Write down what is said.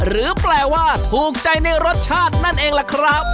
หรือแปลว่าถูกใจในรสชาตินั่นเองล่ะครับ